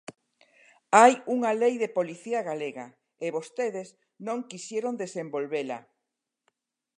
Hai unha Lei de policía galega e vostedes non quixeron desenvolvela.